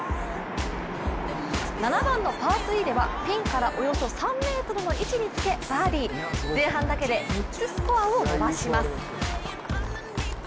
７番のパー３では、ピンからおよそ３ｍの位置につけ前半だけで３つスコアを伸ばします